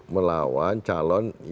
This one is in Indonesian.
melawan calon yang paling besar